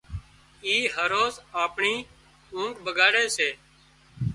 اي هروز آپڻي اونگھ ٻڳاڙي سي